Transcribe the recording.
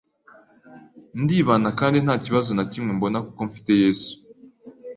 ndibana kandi nta kibazo na kimwe mbona kuko mfite Yesu